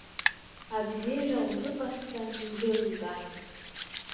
Абзиара узыҟасҵан, иузеилымкааит.